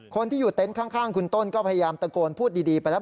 คนที่อยู่เต็นต์ข้างคุณต้นก็พยายามตะโกนพูดดีไปแล้ว